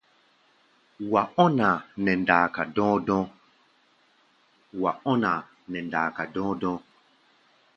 Wa ɔná a nɛ ndaaka ɗɔɔ́ dɔ̧ɔ̧́.